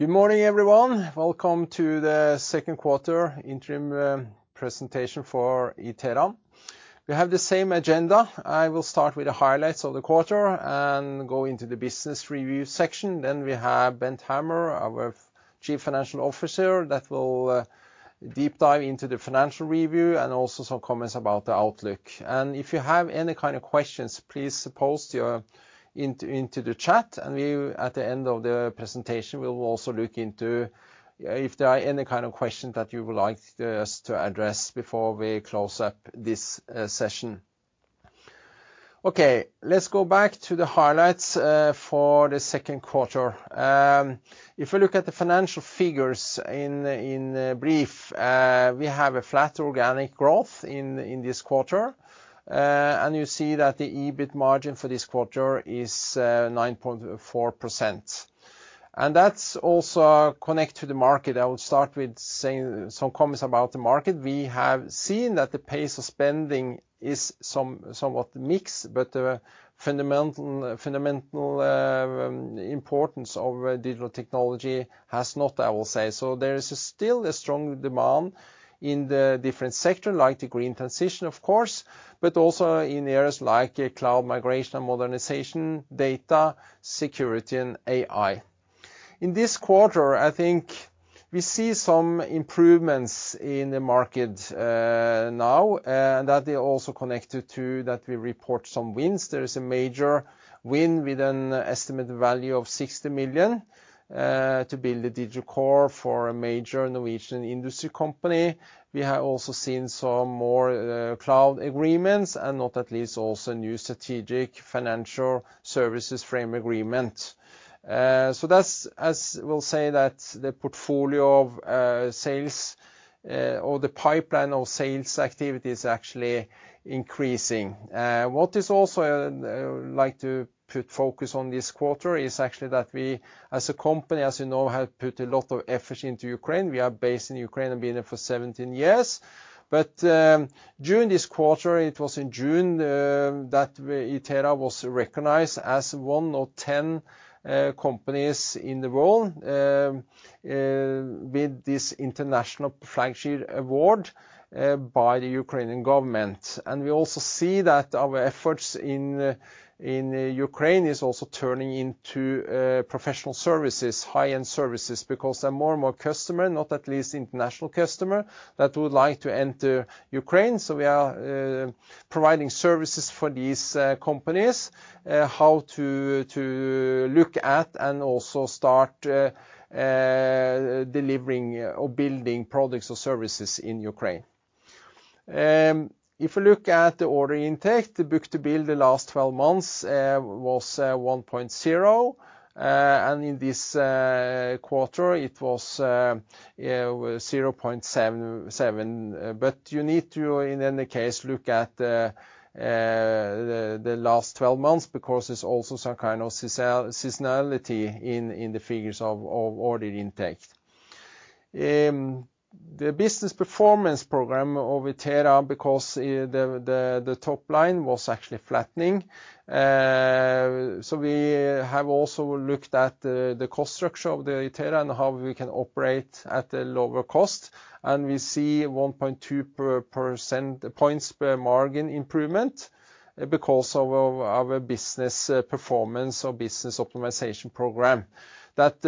Good morning, everyone. Welcome to the second quarter interim presentation for Itera. We have the same agenda. I will start with the highlights of the quarter and go into the business review section. Then we have Bent Hammer, our Chief Financial Officer, that will deep dive into the financial review and also some comments about the outlook. If you have any kind of questions, please post into the chat, and we will at the end of the presentation, we will also look into if there are any kind of questions that you would like us to address before we close up this session. Okay, let's go back to the highlights for the second quarter. If you look at the financial figures in brief, we have a flat organic growth in this quarter. And you see that the EBIT margin for this quarter is 9.4%. And that's also connected to the market. I will start with saying some comments about the market. We have seen that the pace of spending is somewhat mixed, but the fundamental importance of digital technology has not, I will say. So there is still a strong demand in the different sector, like the green transition, of course, but also in areas like cloud migration and modernization, data, security, and AI. In this quarter, I think we see some improvements in the market now, and that is also connected to that we report some wins. There is a major win with an estimated value of 60 million to build a digital core for a major Norwegian industry company. We have also seen some more cloud agreements, and not at least, also a new strategic financial services frame agreement. So that's as we'll say, that the portfolio of sales or the pipeline of sales activity is actually increasing. What is also I would like to put focus on this quarter is actually that we, as a company, as you know, have put a lot of effort into Ukraine. We are based in Ukraine and been there for 17 years. But during this quarter, it was in June that Itera was recognized as one of 10 companies in the world with this international flagship award by the Ukrainian government. We also see that our efforts in Ukraine are also turning into professional services, high-end services, because there are more and more customers, not least international customers, that would like to enter Ukraine. So we are providing services for these companies, how to look at and also start delivering or building products or services in Ukraine. If you look at the order intake, the book-to-bill the last 12 months was 1.0, and in this quarter, it was 0.77. But you need to, in any case, look at the last 12 months, because there's also some kind of seasonality in the figures of order intake. The business performance program of Itera, because the top line was actually flattening, so we have also looked at the cost structure of the Itera and how we can operate at a lower cost. And we see 1.2 percentage points margin improvement because of our business performance or business optimization program, that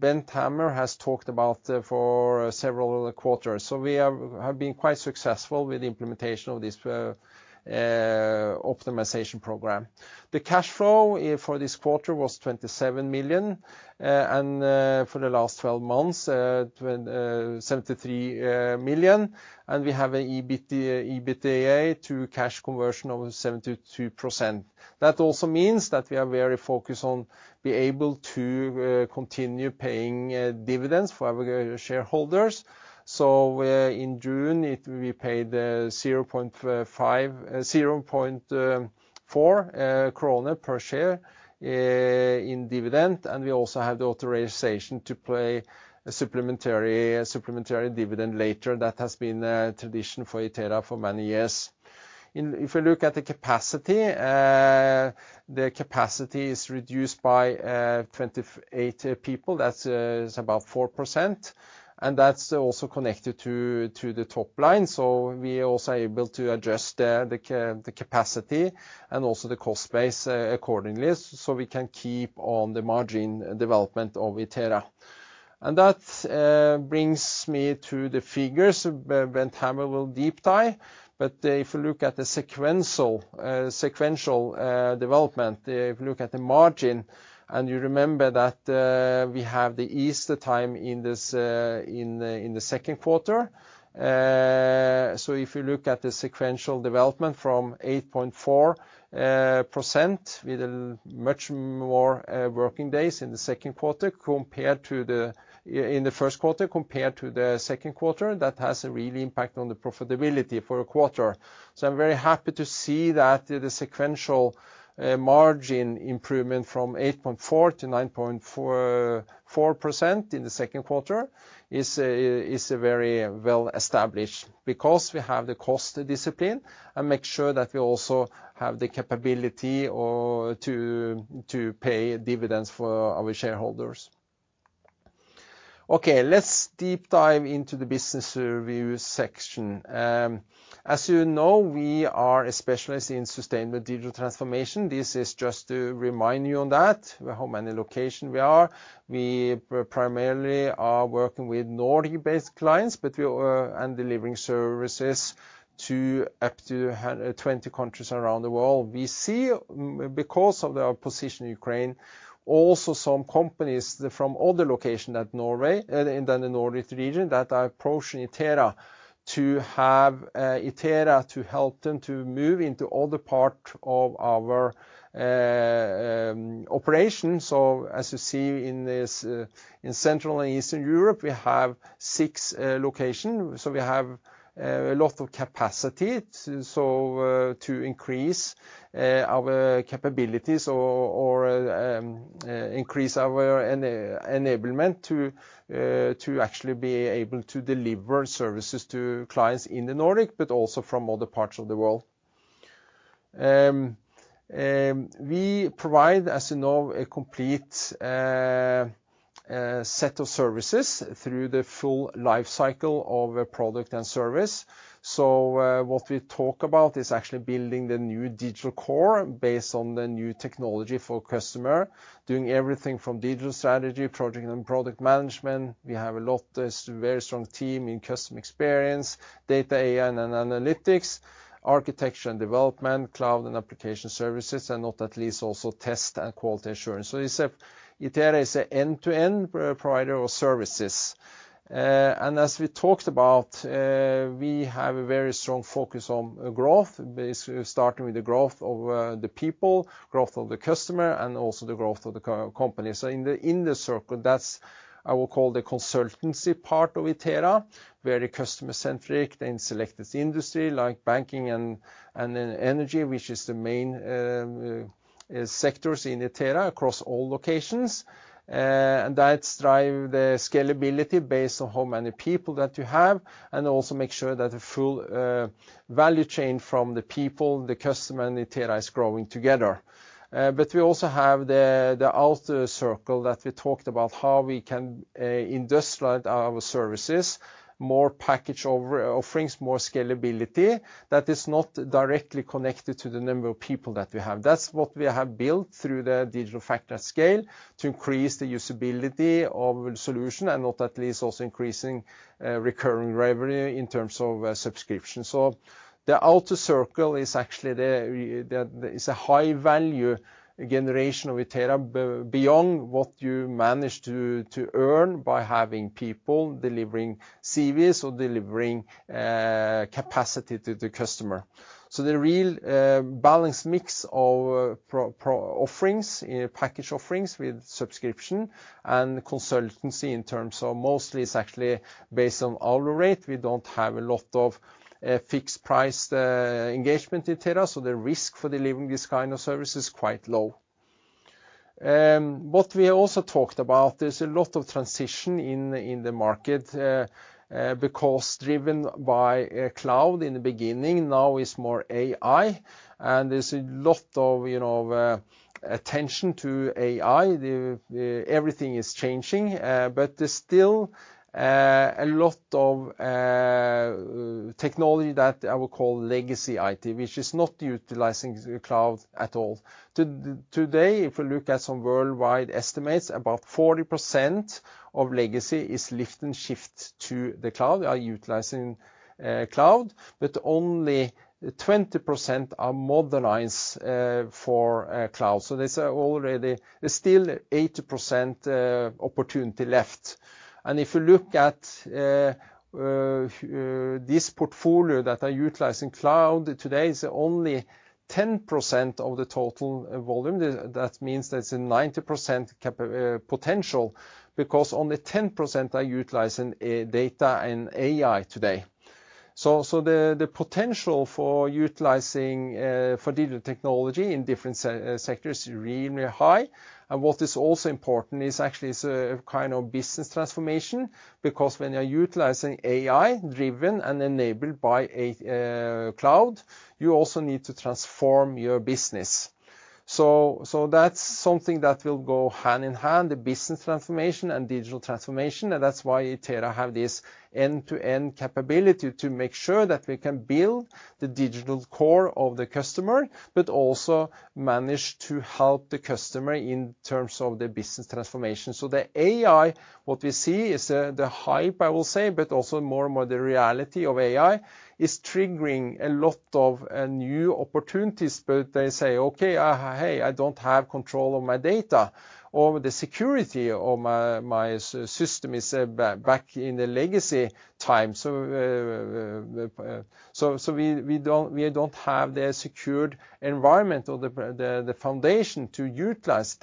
Bent Hammer has talked about for several quarters. So we have been quite successful with the implementation of this optimization program. The cash flow for this quarter was 27 million, and for the last twelve months, 73 million, and we have an EBIT, EBITDA to cash conversion of 72%. That also means that we are very focused on be able to continue paying dividends for our shareholders. So, in June, it will be paid 0.4 krone per share in dividend, and we also have the authorization to pay a supplementary dividend later. That has been a tradition for Itera for many years. If you look at the capacity, the capacity is reduced by 28 people. That's about 4%, and that's also connected to the top line. So we are also able to adjust the capacity and also the cost base accordingly, so we can keep on the margin development of Itera. And that brings me to the figures. Bent Hammer will deep dive. But if you look at the sequential development, if you look at the margin, and you remember that we have the Easter time in this, in the second quarter. So if you look at the sequential development from 8.4%, with much more working days in the second quarter compared to the in the first quarter compared to the second quarter, that has a real impact on the profitability for a quarter. So I'm very happy to see that the sequential margin improvement from 8.4% to 9.44% in the second quarter is a very well-established, because we have the cost discipline and make sure that we also have the capability to pay dividends for our shareholders. Okay, let's deep dive into the business review section. As you know, we are a specialist in sustainable digital transformation. This is just to remind you on that, how many location we are. We primarily are working with Nordic-based clients, but we are and delivering services to up to 20 countries around the world. We see, because of our position in Ukraine, also some companies from other location at Norway and then the Nordic region, that are approaching Itera to have Itera to help them to move into other part of our operation. So as you see in this, in Central and Eastern Europe, we have 6 locations, so we have a lot of capacity, so to increase our capabilities or increase our enablement to actually be able to deliver services to clients in the Nordic, but also from other parts of the world. We provide, as you know, a complete set of services through the full life cycle of a product and service. So, what we talk about is actually building the new digital core based on the new technology for customer, doing everything from digital strategy, project and product management. We have a lot, a very strong team in customer experience, data, AI, and analytics, architecture and development, cloud and application services, and not least also test and quality assurance. So it's Itera is a end-to-end provider of services. And as we talked about, we have a very strong focus on growth, basically starting with the growth of the people, growth of the customer, and also the growth of the company. So in the circle, that's what I will call the consultancy part of Itera, very customer-centric in selected industry like banking and then energy, which is the main sectors in Itera across all locations. And that drive the scalability based on how many people that you have, and also make sure that the full value chain from the people, the customer, and Itera is growing together. But we also have the outer circle that we talked about, how we can industrialize our services, more package offerings, more scalability, that is not directly connected to the number of people that we have. That's what we have built through the Digital Factory at Scale, to increase the usability of solution, and not least, also increasing recurring revenue in terms of subscription. So the outer circle is actually a high-value generation of Itera, beyond what you manage to earn by having people delivering CVs or delivering capacity to the customer. So the real balanced mix of product offerings, package offerings with subscription and consultancy in terms of mostly it's actually based on hourly rate. We don't have a lot of fixed-price engagement in Itera, so the risk for delivering this kind of service is quite low. What we also talked about, there's a lot of transition in the market because driven by cloud in the beginning, now it's more AI, and there's a lot of, you know, attention to AI. Everything is changing, but there's still a lot of technology that I would call legacy IT, which is not utilizing the cloud at all. Today, if we look at some worldwide estimates, about 40% of legacy is lift and shift to the cloud, are utilizing cloud, but only 20% are modernized for cloud. So, there's already... There's still 80% opportunity left. If you look at this portfolio that are utilizing cloud, today is only 10% of the total volume. That means there's a 90% potential, because only 10% are utilizing data and AI today. So the potential for utilizing digital technology in different sectors is really high. And what is also important is actually a kind of business transformation, because when you are utilizing AI, driven and enabled by a cloud, you also need to transform your business. So that's something that will go hand in hand, the business transformation and digital transformation, and that's why Itera have this end-to-end capability to make sure that we can build the digital core of the customer, but also manage to help the customer in terms of their business transformation. So the AI, what we see, is the hype, I will say, but also more and more the reality of AI, is triggering a lot of new opportunities, but they say: "Okay, hey, I don't have control of my data, or the security of my system is back in the legacy time. So, so we don't have the secured environment or the foundation to utilize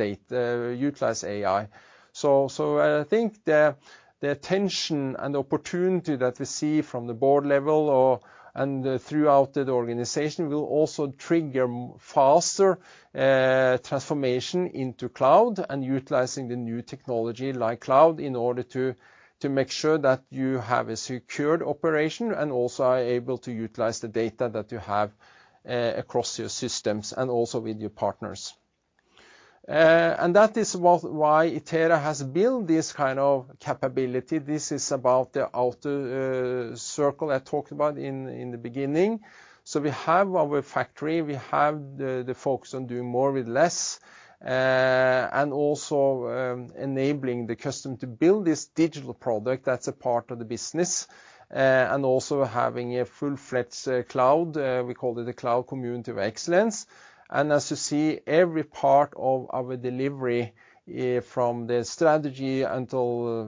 AI." So, I think the attention and the opportunity that we see from the board level or and throughout the organization will also trigger faster transformation into cloud and utilizing the new technology like cloud, in order to make sure that you have a secured operation, and also are able to utilize the data that you have across your systems and also with your partners. And that is about why Itera has built this kind of capability. This is about the outer circle I talked about in the beginning. So we have our factory, we have the focus on doing more with less, and also enabling the customer to build this digital product that's a part of the business, and also having a full-fledged cloud, we call it the Cloud Community of Excellence. And as you see, every part of our delivery, from the strategy until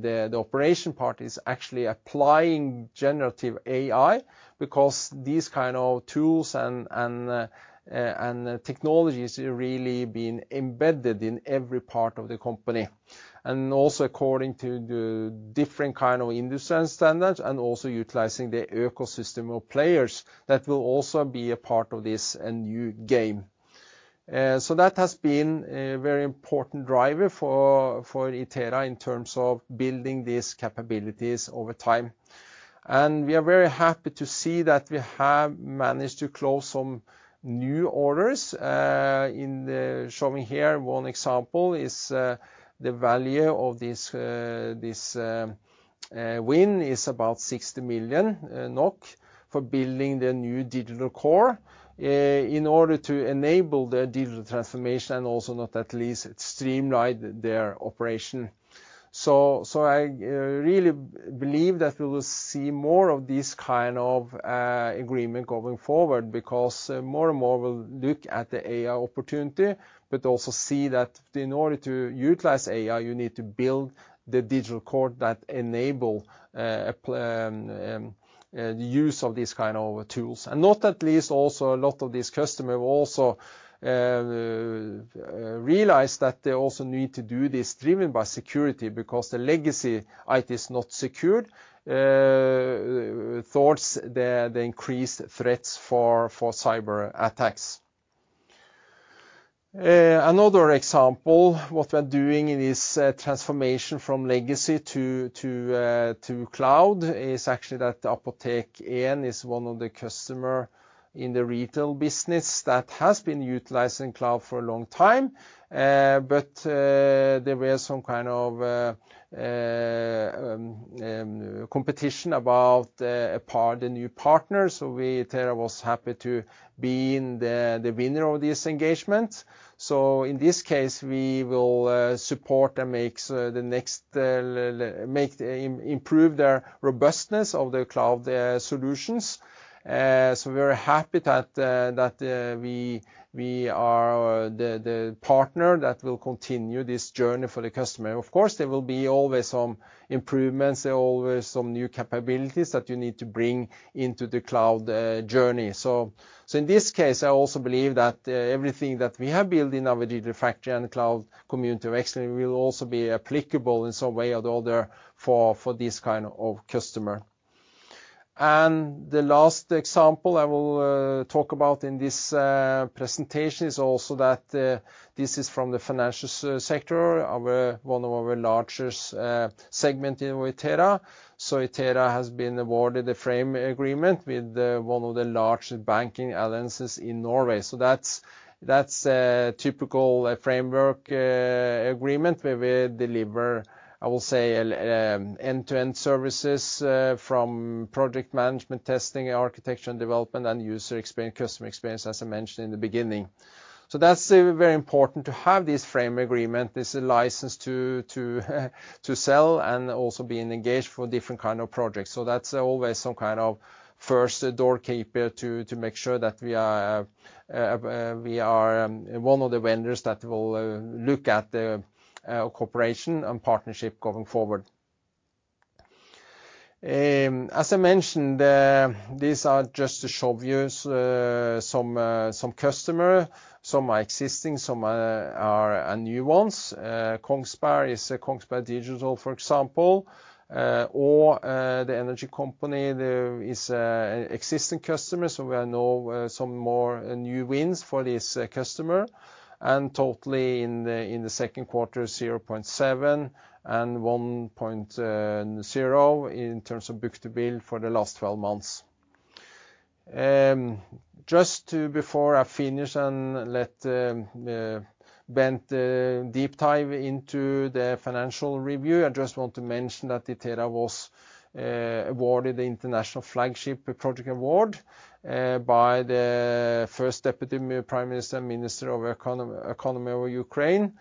the operation part, is actually applying generative AI, because these kind of tools and technologies really been embedded in every part of the company. And also according to the different kind of industry standards, and also utilizing the ecosystem of players, that will also be a part of this new game. So that has been a very important driver for Itera in terms of building these capabilities over time. We are very happy to see that we have managed to close some new orders. In the showing here, one example is the value of this win is about 60 million NOK for building the new digital core in order to enable the digital transformation, and also, not at least, streamline their operation. So, I really believe that we will see more of this kind of agreement going forward, because more and more will look at the AI opportunity, but also see that in order to utilize AI, you need to build the digital core that enable the use of these kinds of tools. Not least, also a lot of these customer will also realize that they also need to do this driven by security, because the legacy IT is not secured towards the increased threats for cyber attacks. Another example, what we're doing in this transformation from legacy to cloud, is actually that Apotek 1 is one of the customer in the retail business that has been utilizing cloud for a long time. But there were some kind of competition about a partnership the new partner, so we, Itera, was happy to be the winner of this engagement. So in this case, we will support and improve the robustness of the cloud solutions. So we're happy that we are the partner that will continue this journey for the customer. Of course, there will be always some improvements, always some new capabilities that you need to bring into the cloud journey. In this case, I also believe that everything that we have built in our Digital Factory and Cloud Community of Excellence will also be applicable in some way or the other for this kind of customer. And the last example I will talk about in this presentation is also that this is from the financial sector, one of our largest segment in Itera. So Itera has been awarded a frame agreement with one of the largest banking alliances in Norway. So that's a typical framework agreement, where we deliver, I will say, end-to-end services from project management, testing, architecture, and development, and user experience, customer experience, as I mentioned in the beginning. So that's very important to have this frame agreement. It's a license to sell, and also being engaged for different kind of projects. So that's always some kind of first doorkeeper to make sure that we are one of the vendors that will look at the cooperation and partnership going forward. As I mentioned, these are just to show you some customer. Some are existing, some are new ones. Kongsberg is Kongsberg Digital, for example, or the energy company. There is an existing customer, so we have some more new wins for this customer. Totally in the second quarter, 0.7 and 1.0 in terms of book-to-bill for the last 12 months. Just to before I finish and let Bent deep dive into the financial review, I just want to mention that Itera was awarded the International Flagship Project Award by the First Deputy Prime Minister and Minister of Economy of Ukraine,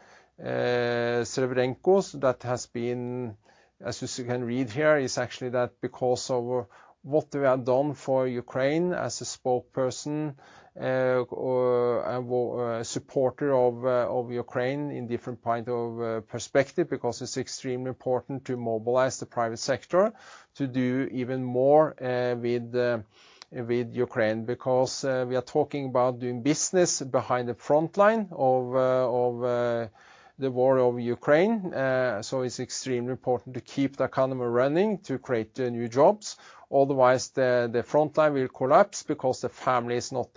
Svyrydenko. So that has been, as you can read here, is actually that because of what we have done for Ukraine as a spokesperson, or a supporter of Ukraine in different point of perspective, because it's extremely important to mobilize the private sector to do even more with Ukraine. Because we are talking about doing business behind the frontline of the war of Ukraine. So it's extremely important to keep the economy running, to create new jobs. Otherwise, the frontline will collapse, because the family is not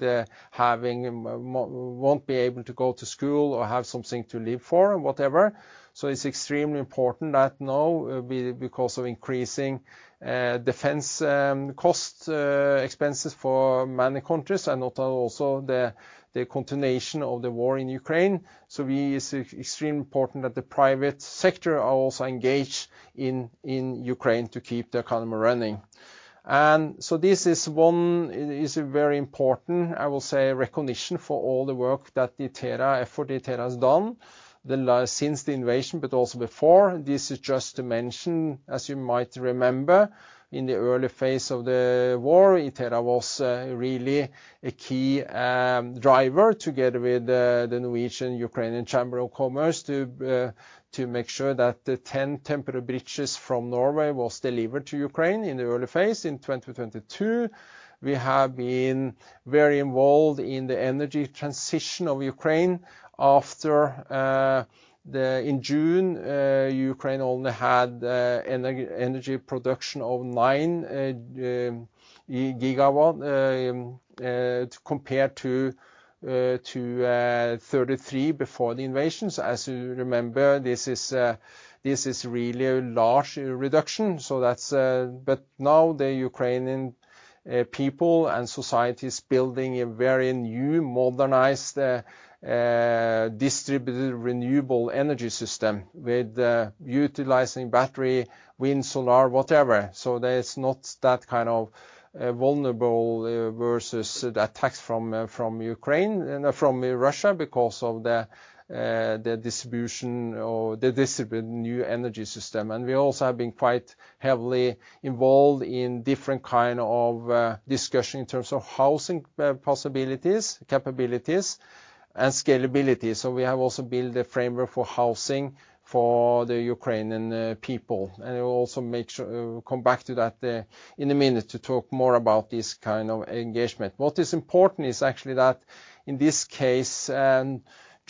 having... won't be able to go to school or have something to live for, whatever. So it's extremely important that now, because of increasing, defense, cost, expenses for many countries, and also the, the continuation of the war in Ukraine, so it's extremely important that the private sector are also engaged in, in Ukraine to keep the economy running. And so this is one, is a very important, I will say, recognition for all the work that the Itera, effort Itera has done since the invasion, but also before. This is just to mention, as you might remember, in the early phase of the war, Itera was, really a key, driver together with, the Norwegian-Ukrainian Chamber of Commerce to, to make sure that the 10 temporary bridges from Norway was delivered to Ukraine in the early phase in 2022. We have been very involved in the energy transition of Ukraine after the in June Ukraine only had energy production of 9 GW compared to to 33 GW before the invasion. So as you remember, this is this is really a large reduction, But now, the Ukrainian people and society is building a very new, modernized distributed renewable energy system with utilizing battery, wind, solar, whatever. So there is not that kind of vulnerable versus the attacks from from Ukraine from Russia, because of the the distribution or the distributed new energy system. And we also have been quite heavily involved in different kind of discussion in terms of housing possibilities, capabilities, and scalability. So we have also built a framework for housing for the Ukrainian people, and we'll also come back to that in a minute to talk more about this kind of engagement. What is important is actually that in this case,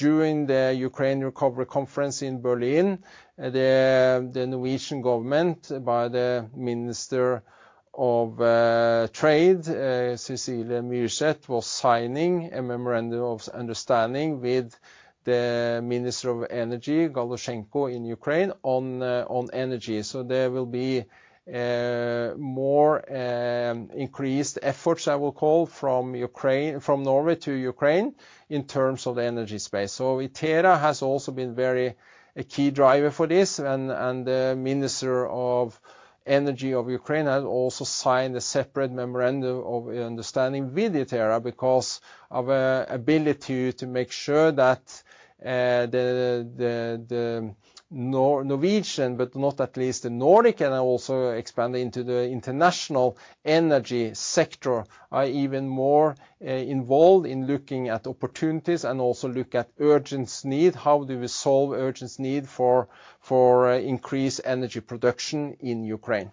during the Ukraine Recovery Conference in Berlin, the Norwegian government, by the Minister of Trade, Cecilie Myrseth, was signing a memorandum of understanding with the Minister of Energy, Galushchenko, in Ukraine on energy. So there will be more increased efforts, I will call, from Norway to Ukraine in terms of the energy space. So Itera has also been very a key driver for this, and the Minister of Energy of Ukraine has also signed a separate memorandum of understanding with Itera because of our ability to make sure that the Norwegian, but not least the Nordic, and also expanding into the international energy sector, are even more involved in looking at opportunities and also look at urgent need. How do we solve urgent need for increased energy production in Ukraine?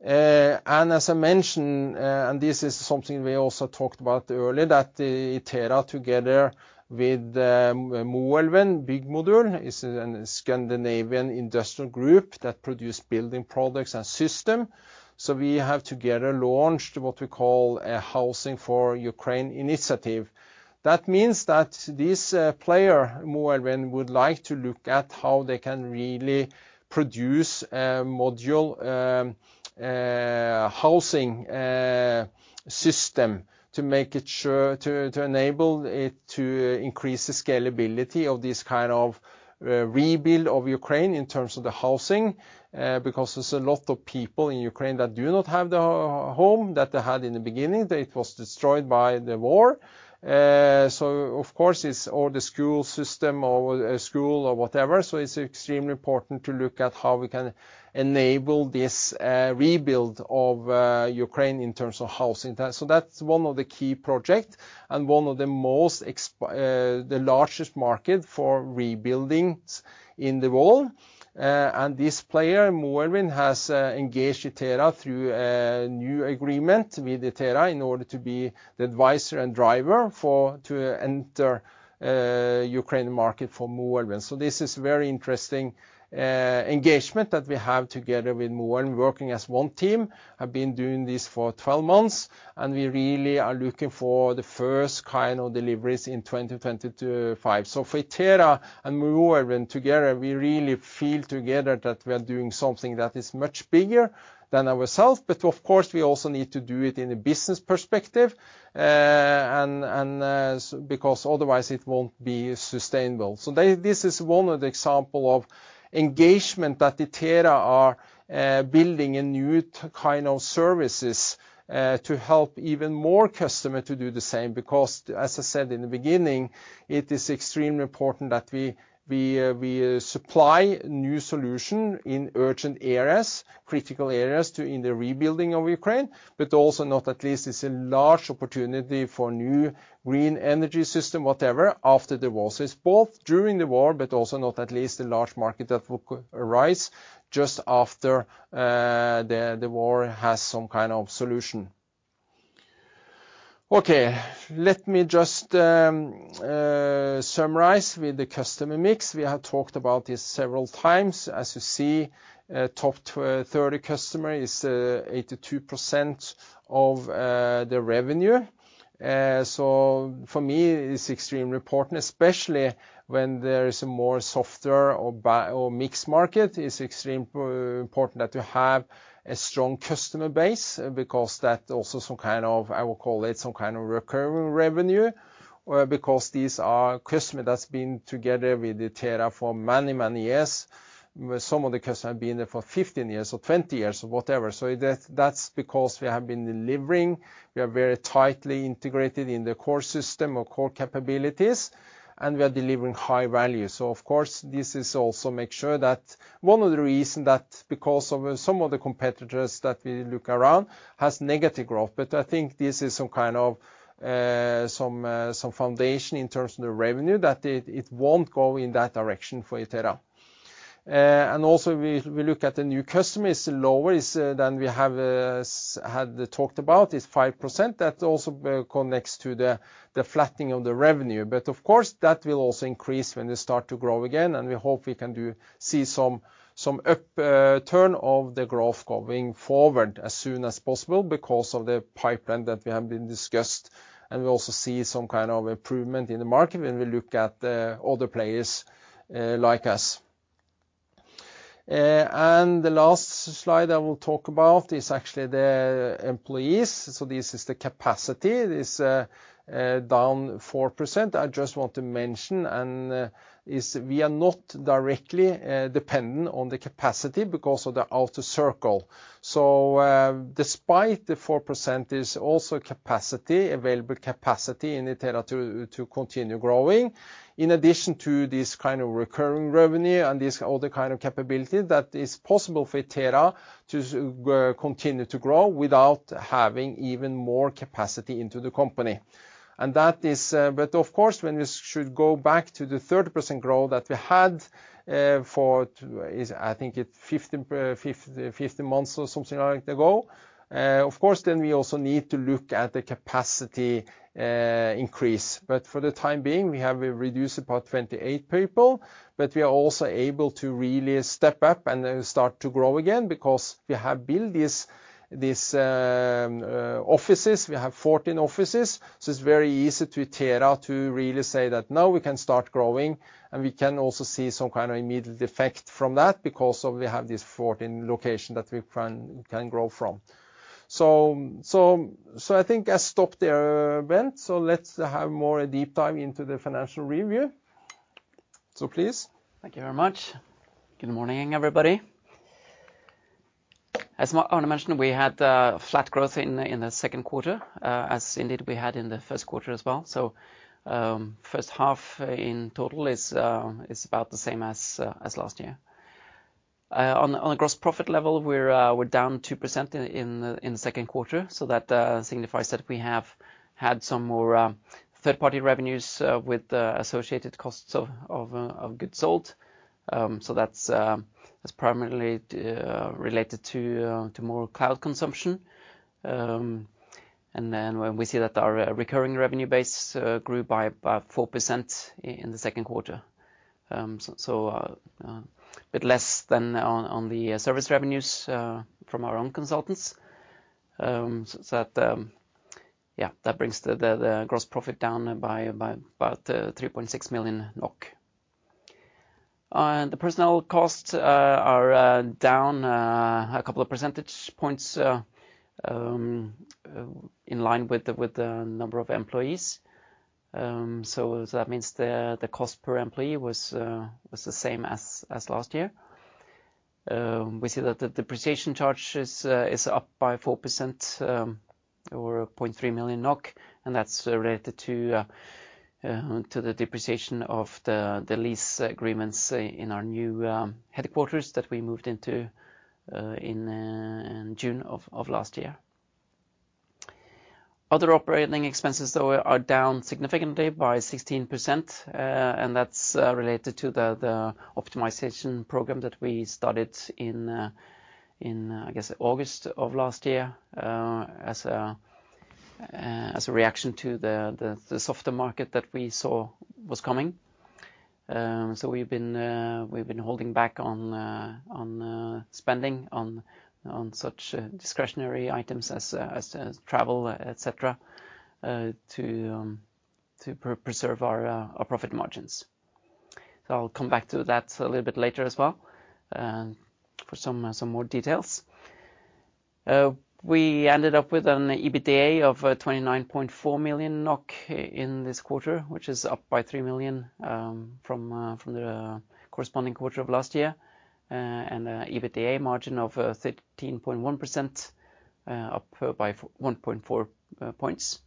And as I mentioned, this is something we also talked about earlier, that Itera, together with Moelven Byggmodul, is a Scandinavian industrial group that produce building products and system. So we have together launched what we call a Housing for Ukraine initiative. That means that this player, Moelven, would like to look at how they can really produce modular housing system to make sure to enable it to increase the scalability of this kind of rebuild of Ukraine in terms of the housing. Because there's a lot of people in Ukraine that do not have the home that they had in the beginning. It was destroyed by the war. So of course, it's all the school system or school or whatever, so it's extremely important to look at how we can enable this rebuild of Ukraine in terms of housing. So that's one of the key project and one of the most exciting, the largest market for rebuildings in the world. And this player, Moelven, has engaged Itera through a new agreement with Itera in order to be the advisor and driver to enter Ukraine market for Moelven. So this is very interesting engagement that we have together with Moelven, working as one team, have been doing this for 12 months, and we really are looking for the first kind of deliveries in 2025. So for Itera and Moelven together, we really feel together that we are doing something that is much bigger than ourselves. But of course, we also need to do it in a business perspective and because otherwise it won't be sustainable. So this is one of the example of engagement that Itera are building a new kind of services to help even more customer to do the same. Because as I said in the beginning, it is extremely important that we supply new solution in urgent areas, critical areas, to in the rebuilding of Ukraine, but also not least, it's a large opportunity for new green energy system, whatever, after the war. So it's both during the war, but also not least the large market that will arise just after the war has some kind of solution. Okay, let me just summarize with the customer mix. We have talked about this several times. As you see, top 30 customer is 82% of the revenue. So for me, it's extremely important, especially when there is a more softer or bi- or mixed market, it's extremely important that you have a strong customer base because that also some kind of, I will call it, some kind of recurring revenue. Because these are customer that's been together with Itera for many, many years. Some of the customers have been there for 15 years or 20 years or whatever. So that, that's because we have been delivering, we are very tightly integrated in the core system or core capabilities, and we are delivering high value. So of course, this is also make sure that one of the reasons that because of some of the competitors that we look around has negative growth. But I think this is some kind of foundation in terms of the revenue, that it won't go in that direction for Itera. And also, we look at the new customers, lower than we have had talked about, is 5%. That also connects to the flattening of the revenue. But of course, that will also increase when they start to grow again, and we hope we can do see some upturn of the growth going forward as soon as possible because of the pipeline that we have been discussed, and we also see some kind of improvement in the market when we look at the other players like us. And the last slide I will talk about is actually the employees. So this is the capacity, is down 4%. I just want to mention, as we are not directly dependent on the capacity because of the outer circle. So, despite the 4%, there's also capacity, available capacity in Itera to continue growing. In addition to this kind of recurring revenue and this other kind of capability, that is possible for Itera to continue to grow without having even more capacity into the company. But of course, when we should go back to the 30% growth that we had, I think, it's 50 months or something like ago, of course, then we also need to look at the capacity increase. But for the time being, we have reduced about 28 people, but we are also able to really step up and then start to grow again, because we have built these offices. We have 14 offices, so it's very easy for Itera to really say that now we can start growing, and we can also see some kind of immediate effect from that because we have these 14 location that we can grow from. So, so, so I think I stop there, Bent. So let's have more deep dive into the financial review. So please. Thank you very much. Good morning, everybody. As Arne mentioned, we had flat growth in the second quarter, as indeed we had in the first quarter as well. So, first half in total is about the same as last year. On a gross profit level, we're down 2% in the second quarter, so that signifies that we have had some more third-party revenues with the associated costs of goods sold. So that's primarily related to more cloud consumption. And then when we see that our recurring revenue base grew by about 4% in the second quarter. A bit less than on the service revenues from our own consultants. So that brings the gross profit down by about 3.6 million NOK. The personnel costs are down a couple of percentage points in line with the number of employees. So that means the cost per employee was the same as last year. We see that the depreciation charge is up by 4%, or 0.3 million NOK, and that's related to the depreciation of the lease agreements in our new headquarters that we moved into in June of last year. Other operating expenses, though, are down significantly by 16%, and that's related to the optimization program that we started in, I guess, August of last year, as a reaction to the softer market that we saw was coming. So we've been holding back on spending on such discretionary items as travel, et cetera, to preserve our profit margins. So I'll come back to that a little bit later as well, for some more details. We ended up with an EBITDA of 29.4 million NOK in this quarter, which is up by 3 million from the corresponding quarter of last year, and EBITDA margin of 13.1%, up by 1.4 points,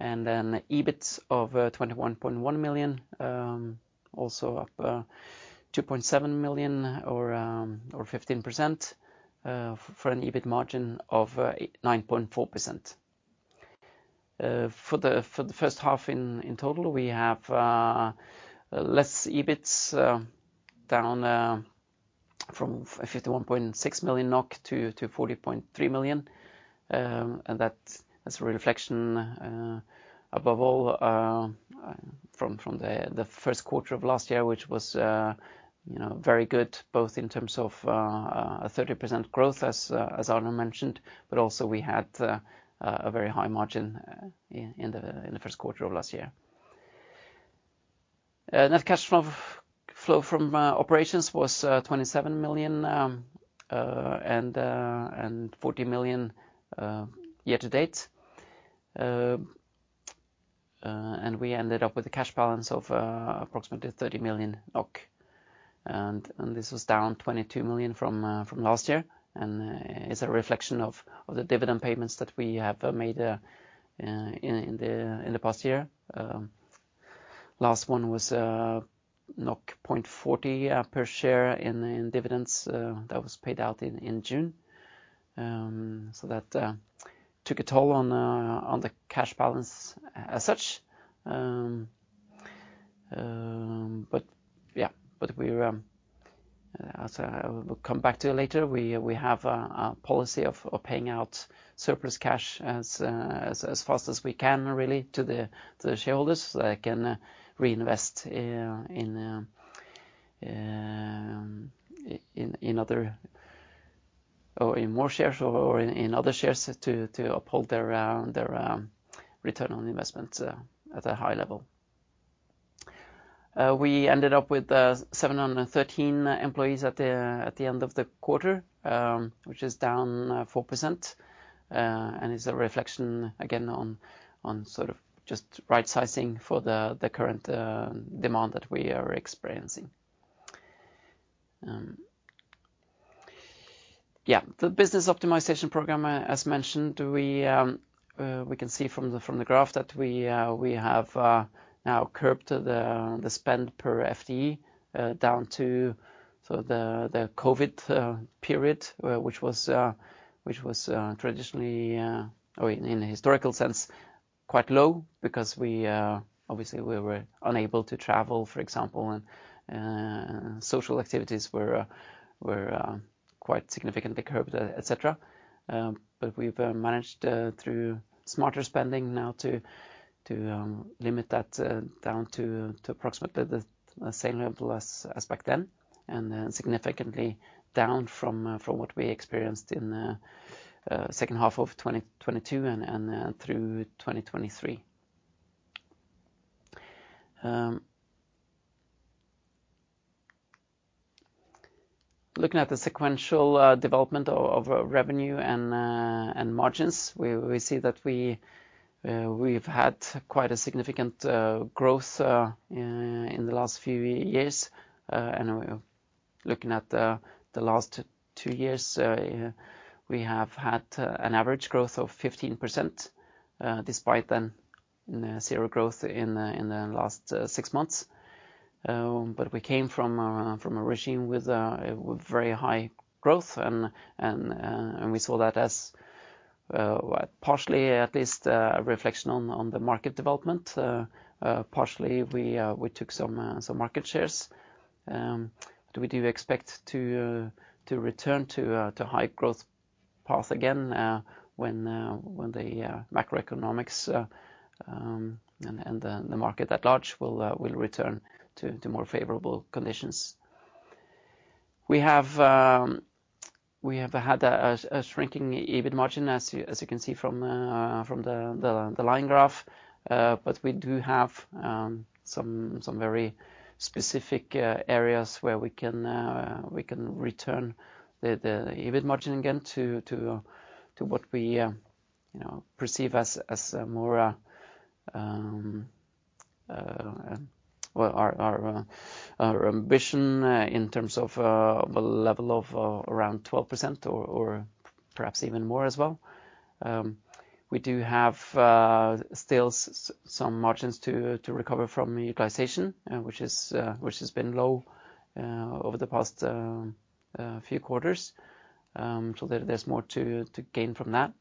and then EBIT of 21.1 million, also up 2.7 million or 15%, for an EBIT margin of 9.4%. For the first half in total, we have less EBIT, down from 51.6 million NOK to 40.3 million. That's a reflection above all from the first quarter of last year, which was you know very good, both in terms of a 30% growth as Arne mentioned, but also we had a very high margin in the first quarter of last year. Net cash flow from operations was 27 million and 40 million year to date. And we ended up with a cash balance of approximately 30 million NOK. And this was down 22 million from last year, and it's a reflection of the dividend payments that we have made in the past year. Last one was 0.40 per share in dividends that was paid out in June. So that took a toll on the cash balance as such. But yeah, but we're, as I will come back to later, we have a policy of paying out surplus cash as fast as we can really to the shareholders, so they can reinvest in other or in more shares or in other shares to uphold their return on investment at a high level. We ended up with 713 employees at the end of the quarter, which is down 4%. It's a reflection, again, on sort of just right sizing for the current demand that we are experiencing. Yeah, the business optimization program, as mentioned, we can see from the graph that we have now curbed the spend per FTE down to the COVID period, which was traditionally, or in a historical sense, quite low because we obviously were unable to travel, for example, and social activities were quite significantly curbed, et cetera. But we've managed through smarter spending now to limit that down to approximately the same level as back then, and then significantly down from what we experienced in second half of 2022 and through 2023. Looking at the sequential development of revenue and margins, we see that we've had quite a significant growth in the last few years. And looking at the last two years, we have had an average growth of 15%, despite then zero growth in the last six months. But we came from a regime with very high growth and we saw that as partially at least a reflection on the market development. Partially, we took some market shares. But we do expect to return to a high growth path again when the macroeconomics and the market at large will return to more favorable conditions. We have had a shrinking EBIT margin, as you can see from the line graph. But we do have some very specific areas where we can return the EBIT margin again to what we you know perceive as a more... Well, our ambition in terms of the level of around 12% or perhaps even more as well. We do have still some margins to recover from utilization which has been low over the past few quarters. So there's more to gain from that.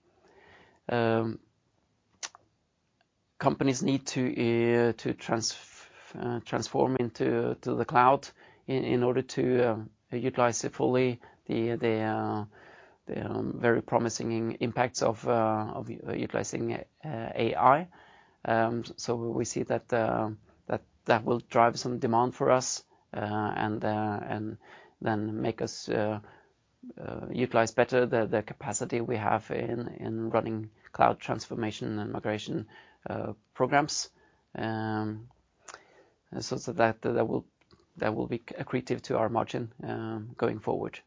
Companies need to transform into the cloud in order to utilize it fully the very promising impacts of utilizing AI. So we see that that will drive some demand for us, and then make us utilize better the capacity we have in in running cloud transformation and migration programs. So that will be accretive to our margin going forward.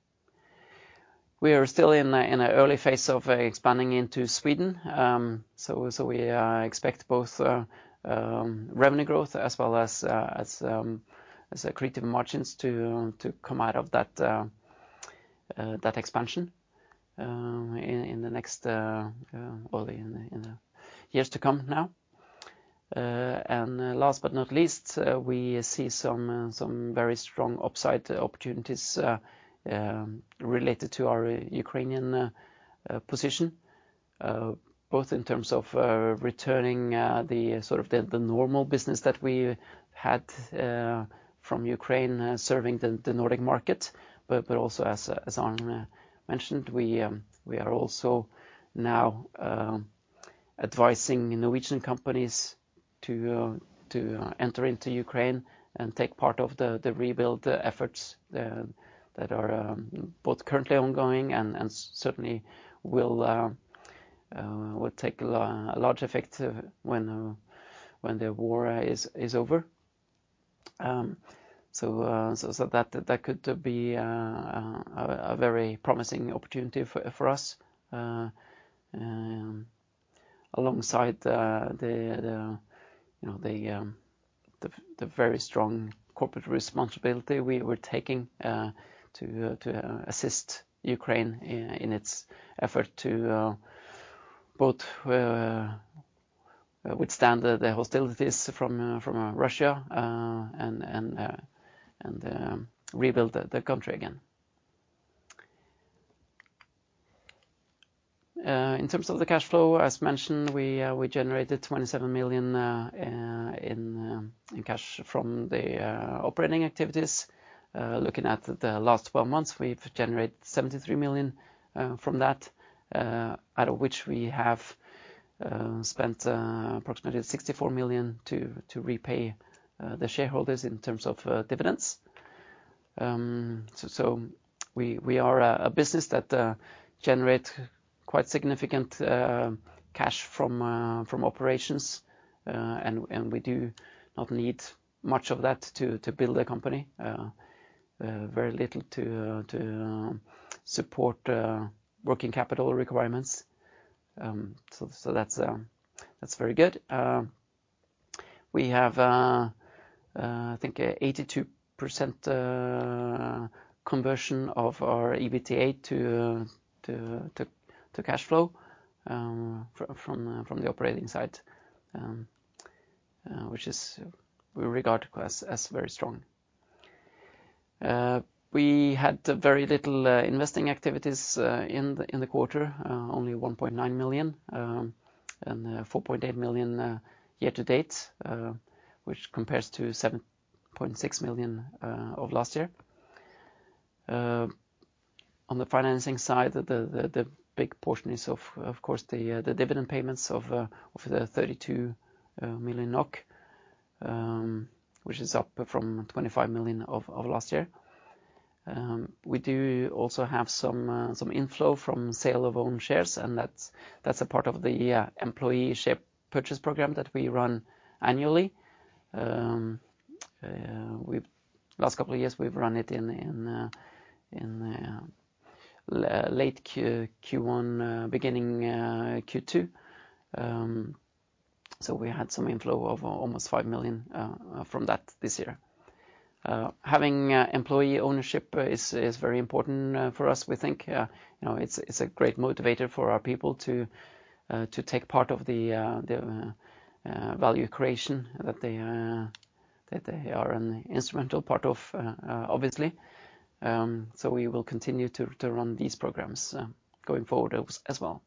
We are still in an early phase of expanding into Sweden. So we expect both revenue growth as well as accretive margins to come out of that expansion in the next, well, in the years to come now. And last but not least, we see some very strong upside opportunities related to our Ukrainian position. Both in terms of returning the normal business that we had from Ukraine serving the Nordic market. But also as Arne mentioned, we are also now advising Norwegian companies to enter into Ukraine and take part of the rebuild efforts that are both currently ongoing and certainly will take a large effect when the war is over. So that could be a very promising opportunity for us. Alongside the you know the very strong corporate responsibility we're taking to assist Ukraine in its effort to both withstand the hostilities from Russia and rebuild the country again. In terms of the cash flow, as mentioned, we generated 27 million in cash from the operating activities. Looking at the last 12 months, we've generated 73 million from that, out of which we have spent approximately 64 million to repay the shareholders in terms of dividends. So we are a business that generate quite significant cash from operations, and we do not need much of that to build a company. Very little to support working capital requirements. So that's very good. We have, I think, 82% conversion of our EBITDA to cash flow from the operating side, which we regard as very strong. We had very little investing activities in the quarter, only 1.9 million, and 4.8 million year to date, which compares to 7.6 million of last year. On the financing side, the big portion is of course the dividend payments of 32 million NOK, which is up from 25 million of last year. We do also have some inflow from sale of own shares, and that's a part of the employee share purchase program that we run annually. Last couple of years, we've run it in late Q1, beginning Q2. So we had some inflow of almost 5 million from that this year. Having employee ownership is very important for us, we think. You know, it's a great motivator for our people to take part of the value creation that they are an instrumental part of, obviously. So we will continue to run these programs going forward as well.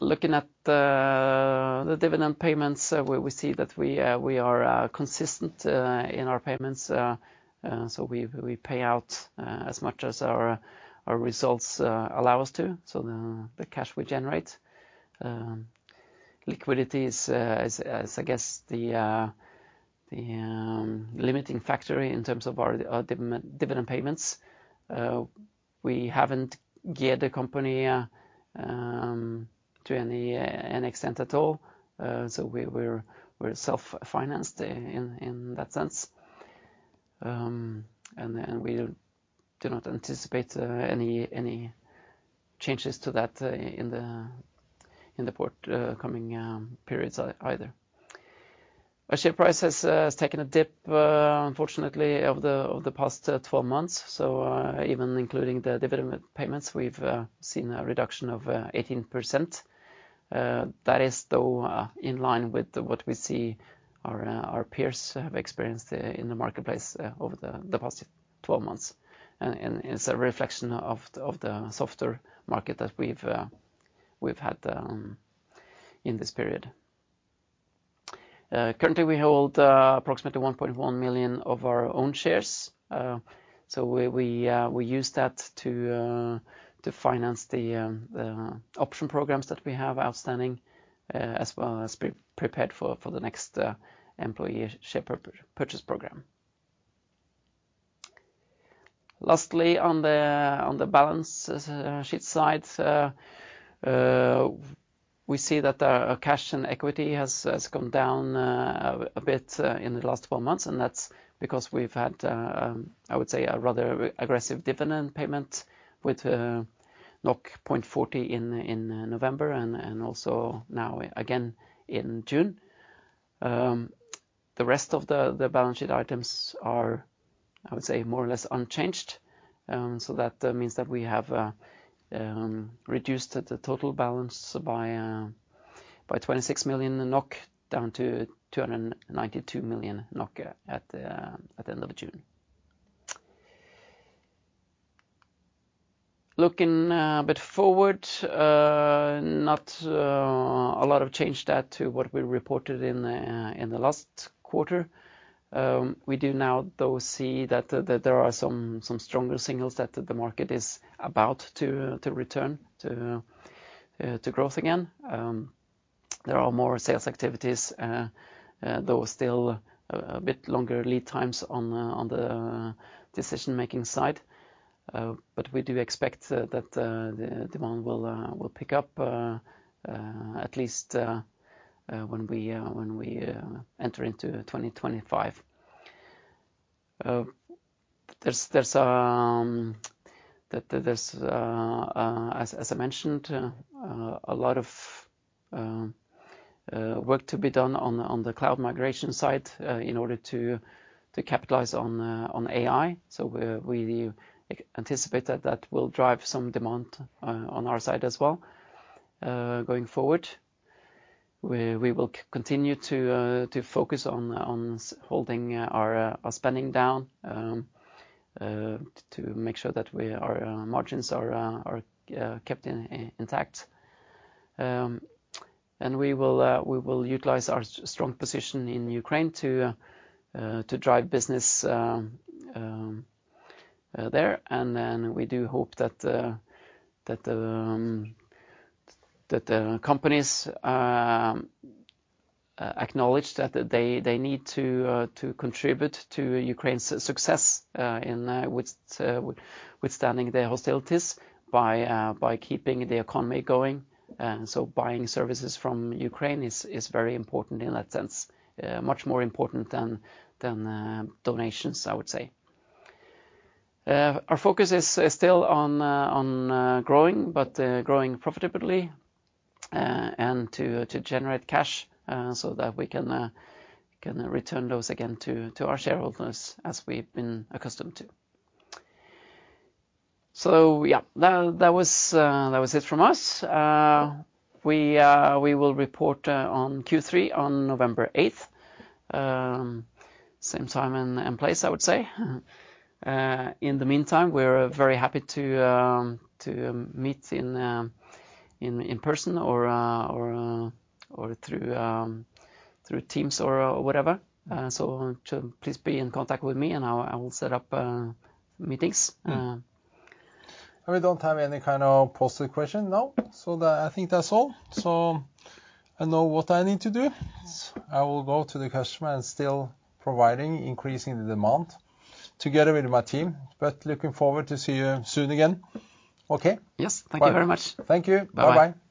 Looking at the dividend payments, we see that we are consistent in our payments. So we pay out as much as our results allow us to, so the cash we generate. Liquidity is, I guess, the limiting factor in terms of our dividend payments. We haven't geared the company to any extent at all, so we're self-financed in that sense. And then we do not anticipate any changes to that in the forthcoming periods either. Our share price has taken a dip, unfortunately, over the past 12 months, so even including the dividend payments, we've seen a reduction of 18%. That is, though, in line with what we see our peers have experienced in the marketplace over the past 12 months. It's a reflection of the softer market that we've had in this period. Currently, we hold approximately 1.1 million of our own shares. So we use that to finance the option programs that we have outstanding, as well as be prepared for the next employee share purchase program. Lastly, on the balance sheet side, we see that our cash and equity has gone down a bit in the last four months, and that's because we've had I would say a rather aggressive dividend payment with 0.40 in November and also now again in June. The rest of the balance sheet items are I would say more or less unchanged. So that means that we have reduced the total balance by 26 million NOK, down to 292 million NOK at the end of June. Looking a bit forward, not a lot of change there to what we reported in the last quarter. We do now, though, see that there are some stronger signals that the market is about to return to growth again. There are more sales activities, though still a bit longer lead times on the decision-making side. But we do expect that the demand will pick up at least when we enter into 2025. There's, as I mentioned, a lot of work to be done on the cloud migration side in order to capitalize on AI. So we anticipate that that will drive some demand on our side as well. Going forward, we will continue to focus on holding our spending down to make sure that our margins are kept intact. And we will utilize our strong position in Ukraine to drive business there. And then we do hope that the companies acknowledge that they need to contribute to Ukraine's success in withstanding the hostilities by keeping the economy going. So buying services from Ukraine is very important in that sense, much more important than donations, I would say. Our focus is still on growing, but growing profitably, and to generate cash, so that we can return those again to our shareholders as we've been accustomed to. So yeah, that was it from us. We will report on Q3 on November 8th, same time and place, I would say. In the meantime, we're very happy to meet in person or through Teams or whatever. So to please be in contact with me, and I'll set up meetings. We don't have any kind of positive question now, so that. I think that's all. So I know what I need to do. I will go to the customer and still providing, increasing the demand together with my team, but looking forward to see you soon again. Okay? Yes. Thank you very much. Thank you. Bye. Bye-bye.